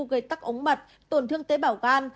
gây tắc ống mật tổn thương tế bảo gan